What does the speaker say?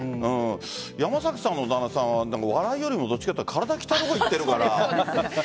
山崎さんの旦那さんはお笑いよりもどちらかというと体鍛える方に行っているから。